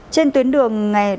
trên tuyến đường ngày